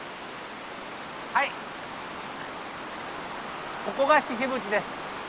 はいここがシシ渕です。